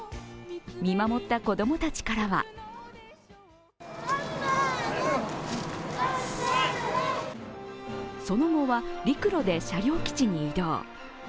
見守った子供たちからはその後は陸路で車両基地に移動。